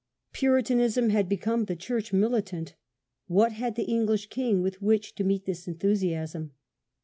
Puritanism had become the church militant. What had the English king with which to meet this enthusiasm?